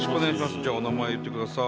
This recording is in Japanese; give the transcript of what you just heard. じゃあお名前言ってください。